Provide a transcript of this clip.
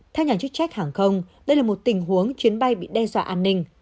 theo nhà chức trách hàng không đây là một tình huống chuyến bay bị đe dọa an ninh